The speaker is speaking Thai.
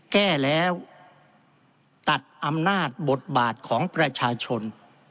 แก้แล้วตัดอำนาจบทบาทของประชาชน